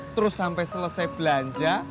terus sampai selesai belanja